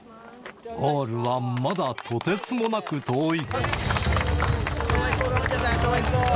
ゴールはまだとてつもなく遠い。